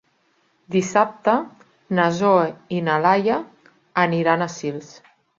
Dissabte na Zoè i na Laia aniran a Sils.